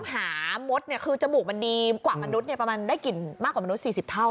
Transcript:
หามดคือจมูกมันดีกว่ามนุษย์ประมาณได้กลิ่นมากกว่ามนุษย์๔๐เท่า